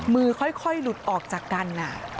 มือค่อยหลุดออกจากกัน